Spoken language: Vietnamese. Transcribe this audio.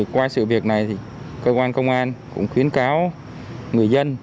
qua sự việc này thì cơ quan công an cũng khuyến cáo người dân